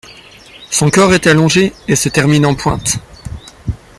Son corps est allongé et se termine en pointe.